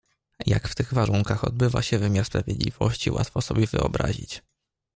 "Jak w tych warunkach odbywa się wymiar sprawiedliwości łatwo sobie wyobrazić."